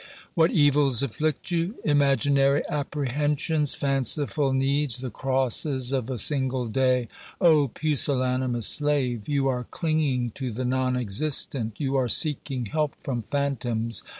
What evils afflict you ? Imaginary apprehensions, fanciful OBERMANN 97 needs, the crosses of a single day. O pusillanimous slave ! You are clinging to the non existent, you are seeking help from phantoms.